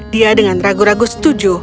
dia dengan ragu ragu setuju